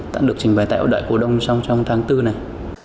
đã được trình bày tại ở đoại cổ đông trong tháng bốn này